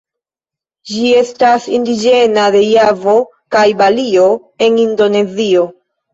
Ĝi estas indiĝena de Javo kaj Balio en Indonezio.